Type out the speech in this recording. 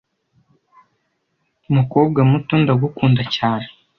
"Mukobwa muto, ndagukunda cyane.